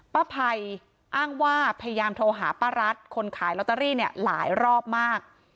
ภัยอ้างว่าพยายามโทรหาป้ารัฐคนขายลอตเตอรี่เนี่ยหลายรอบมาก